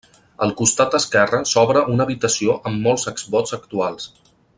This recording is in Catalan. Al costat esquerre s'obre una habitació amb molts exvots actuals.